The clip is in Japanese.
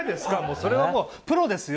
それはもうプロですよ？